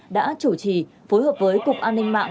đã chủ trì phối hợp với cục an ninh mạng